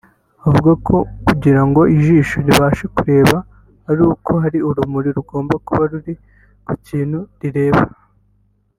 Avuga ko kugira ngo ijisho ribashe kureba ari uko hari urumuri rugomba kuba ruri kukintu rireba